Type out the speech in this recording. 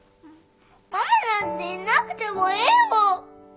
ママなんていなくてもいいもん。